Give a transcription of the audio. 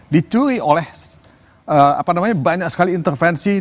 dicuri oleh banyak sekali intervensi